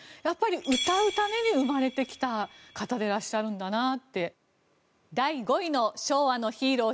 歌うために生まれてきた方でいらっしゃるんだなって。